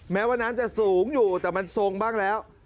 แม้ว่าน้ำจะสูงอยู่แต่มันทรงบ้างแล้ว